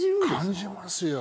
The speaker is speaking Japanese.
感じますよ。